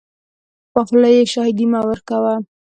په خوله یې شاهدي مه ورکوه .